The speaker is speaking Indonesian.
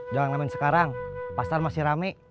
jalan lamian sekarang pasaran masih rame